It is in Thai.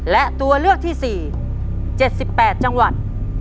และตัวเลือกที่๔๗๘จังหวัด